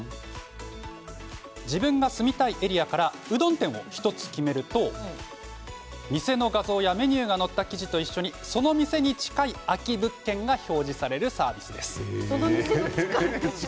自分が住みたいエリアからうどん店を１つ決めると店の画像やメニューが載った記事と一緒にその店に近い空き物件が表示されるサービスです。